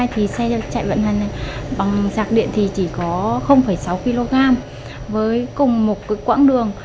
thì xe chạy vận hành bằng giạc điện thì chỉ có sáu kg với cùng một quãng đường